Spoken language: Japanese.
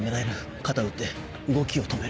肩撃って動きを止める。